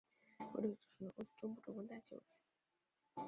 韦尼格罗德处于欧洲中部的温带气候区。